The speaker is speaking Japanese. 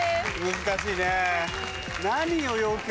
難しいね。